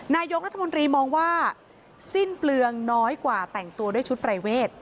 นายกรัฐมนตรีมองว่าสิ้นเปลืองน้อยกว่าแต่งตัวด้วยชุดปรายเวท